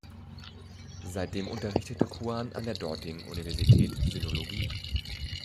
Seitdem unterrichtete Kuan an der dortigen Universität Sinologie.